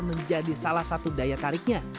menjadi salah satu daya tariknya